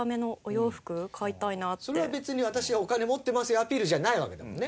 それは別に「私はお金持ってますよ」アピールじゃないわけだもんね？